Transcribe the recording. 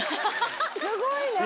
すごいな。